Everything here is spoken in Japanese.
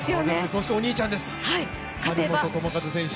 そしてお兄ちゃんです、張本智和選手。